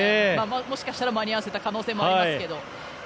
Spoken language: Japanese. もしかしたら間に合わせた可能性もありますけど。